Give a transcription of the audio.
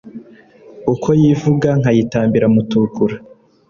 Uko yivuga nkayitambira Mutukura*